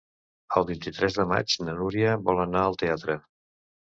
El vint-i-tres de maig na Núria vol anar al teatre.